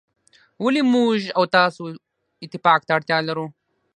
ولي موږ او تاسو اتفاق ته اړتیا لرو.